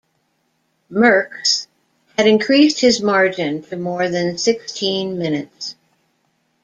Merckx had increased his margin to more than sixteen minutes.